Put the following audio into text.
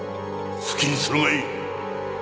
好きにするがいい。